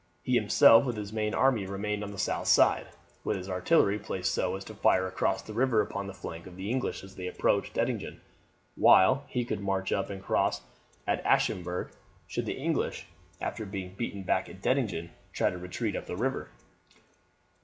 He himself with his main army remained on the south side, with his artillery placed so as to fire across the river upon the flank of the English as they approached Dettingen; while he could march up and cross at Aschaffenburg should the English, after being beaten back at Dettingen, try to retreat up the river.